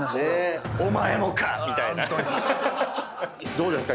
どうですか？